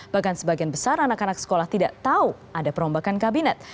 bahkan sebagian besar anak anak sekolah tidak tahu ada perombakan kabinet